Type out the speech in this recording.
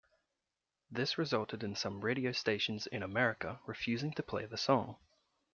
This resulted in some radio stations in America refusing to play the song.